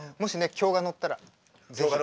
興が乗ったら。